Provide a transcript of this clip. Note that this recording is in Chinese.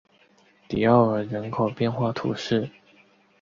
迪奥尔人口变化图示